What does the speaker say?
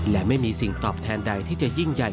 และไม่มีสิ่งตอบแทนใดที่จะยิ่งใหญ่